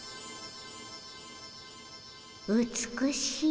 美しい。